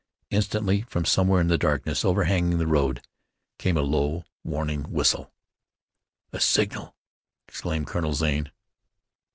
Instantly from somewhere in the darkness overhanging the road, came a low, warning whistle. "A signal!" exclaimed Colonel Zane.